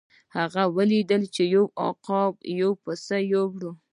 هغه ولیدل چې یو عقاب یو پسه یووړ.